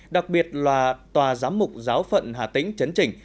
đặc biệt là tòa giám mục giáo phận hà tĩnh chấn trình